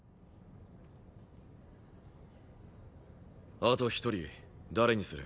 あと１人誰にする？